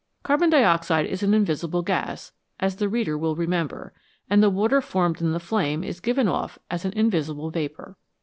Carbon dioxide is an invisible gas, as the reader will remember, and the water formed in the flame is given off as an invisible vapour.